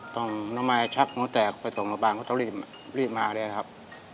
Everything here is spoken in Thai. ต้องน้องมายชักโม้แตกไปส่งบ้านก็ต้องรีบมาเลยครับ